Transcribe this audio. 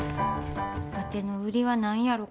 わての売りは何やろか？